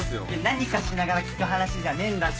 何かしながら聞く話じゃねえんだって。